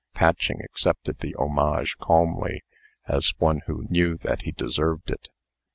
Patching accepted the homage calmly, as one who knew that he deserved it.